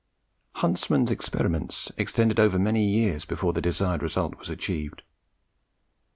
Huntsman's experiments extended over many years before the desired result was achieved.